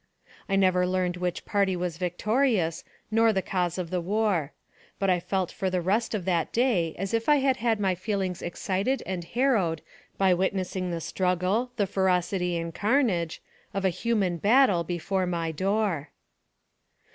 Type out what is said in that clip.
I never learned which party was victorious, nor the cause of the war; but I felt for the rest of that day as if I had had my feelings excited and harrowed by witnessing the struggle, the ferocity and carnage, of a human battle before my door.